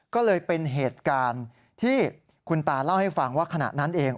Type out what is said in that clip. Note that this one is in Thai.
ก็เลยเป็นเหตุการณ์ที่คุณตาเล่าให้ฟังว่าขณะนั้นเอง